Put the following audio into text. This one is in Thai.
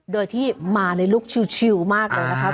โดยที่มาในลูกชิวมากเลยนะคะ